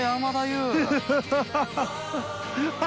ハハハ